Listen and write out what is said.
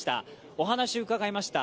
お話を伺いました。